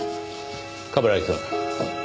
冠城くん。